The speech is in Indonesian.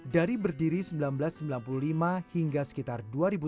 dari berdiri seribu sembilan ratus sembilan puluh lima hingga sekitar dua ribu tujuh